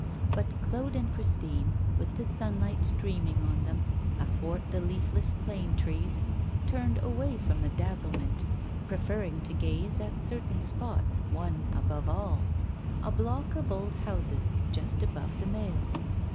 But Claude and Christine, with the sunlight streaming on them, athwart the leafless plane trees, turned away from the dazzlement, preferring to gaze at certain spots, one above all a block of old houses just above the Mail.